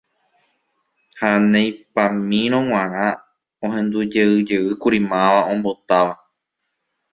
Ha neipamírõ g̃uarã ohendujeyjeýkuri máva ombotáva.